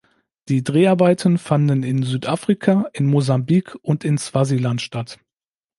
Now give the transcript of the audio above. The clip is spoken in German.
Die Dreharbeiten fanden in Südafrika, in Mosambik und in Swasiland statt.